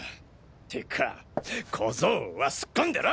てか小僧はすっこんでろ！